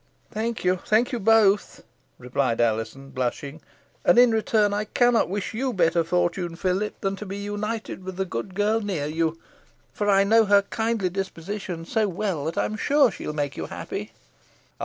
"Thank you thank you both," replied Alizon, blushing; "and in return I cannot wish you better fortune, Philip, than to be united to the good girl near you, for I know her kindly disposition so well, that I am sure she will make you happy."